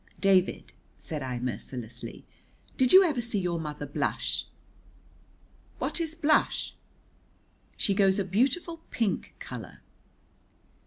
"David," said I mercilessly, "did you ever see your mother blush?" "What is blush?" "She goes a beautiful pink colour."